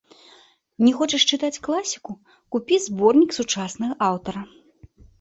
Не хочаш чытаць класіку, купі зборнік сучаснага аўтара.